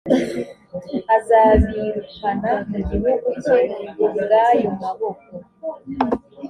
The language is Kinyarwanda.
azabirukana mu gihugu cye ku bw ayo maboko